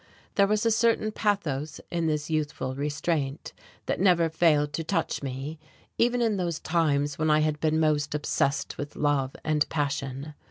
There was a certain pathos in this youthful restraint that never failed to touch me, even in those times when I had been most obsessed with love and passion....